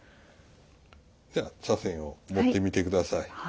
じゃあ茶筅を持ってみて下さい。